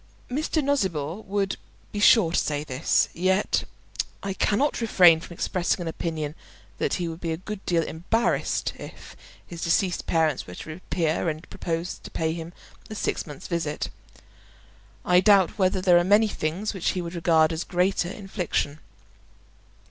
Mr. Nosnibor would be sure to say this. Yet I cannot refrain from expressing an opinion that he would be a good deal embarrassed if his deceased parents were to reappear and propose to pay him a six months' visit. I doubt whether there are many things which he would regard as a greater infliction.